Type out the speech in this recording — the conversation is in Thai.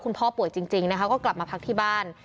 คุณพ่อป่วยจริงก็กลับมาพักที่บ้าน